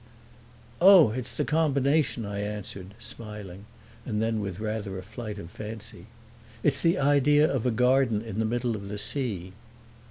"Oh, it's the combination!" I answered, smiling; and then, with rather a flight of fancy, "It's the idea of a garden in the middle of the sea."